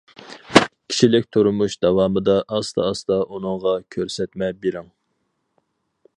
كىشىلىك تۇرمۇش داۋامىدا ئاستا-ئاستا ئۇنىڭغا كۆرسەتمە بېرىڭ.